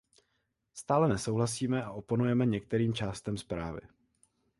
Stále nesouhlasíme a oponujeme některým částem zprávy.